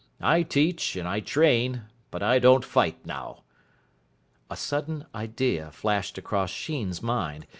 I teach and I train, but I don't fight now." A sudden idea flashed across Sheen's mind.